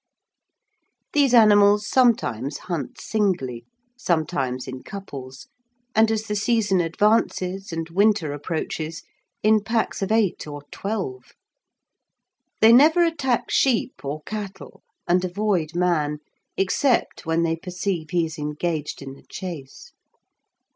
These animals sometimes hunt singly, sometimes in couples, and as the season advances, and winter approaches, in packs of eight or twelve. They never attack sheep or cattle, and avoid man, except when they perceive he is engaged in the chase.